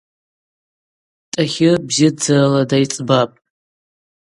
Тӏахир бзидздзарала дайцӏбапӏ.